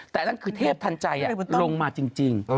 แต่คือเทพธรรมทันใจลงมาจริง